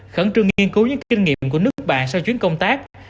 khẩn trương nghiên cứu những kinh nghiệm của nước bạn sau chuyến công tác